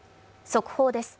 速報です。